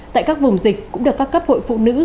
tại các vùng dịch cũng được các cấp hội phụ nữ